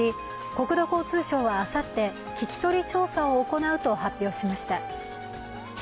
国土交通省はあさって聞き取り調査を行うと発表しました。